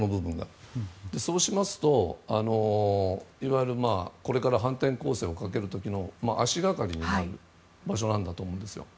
そうしますと、いわゆるこれから反転攻勢をかける時の足がかりになる場所なんだと思うんですよ。